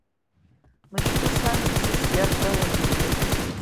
Мышәҳәыс ан иԥсыз инадтәалт игәыкы-ҵәыкуа.